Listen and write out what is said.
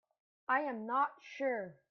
I am not sure.